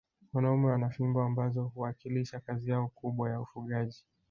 Wanaume wana fimbo ambazo huwakilisha kazi yao kubwa ya ufugaji